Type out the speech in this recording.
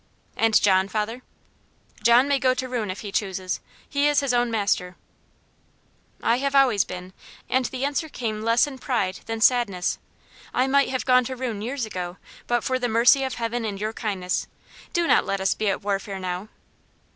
"And John, father?" "John may go to ruin if he chooses. He is his own master." "I have been always." And the answer came less in pride than sadness. "I might have gone to ruin years ago, but for the mercy of Heaven and your kindness. Do not let us be at warfare now."